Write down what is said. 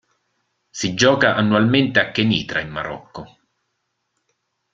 Si gioca annualmente a Kenitra in Marocco.